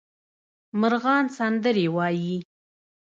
مرغان سندرې وايي